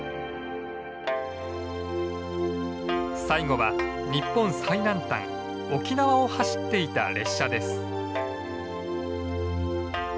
最後は日本最南端沖縄を走っていた列車です。